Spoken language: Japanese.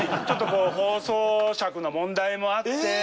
ちょっと放送尺の問題もあって。